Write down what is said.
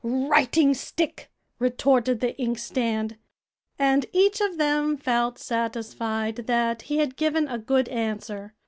"Writing stick!" retorted the inkstand. And each of them felt satisfied that he had given a good answer.